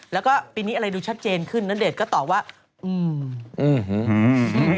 แล้วก็ปีนี้อะไรดูชัดเจนขึ้นณเดชน์ก็ตอบว่าอืมอืม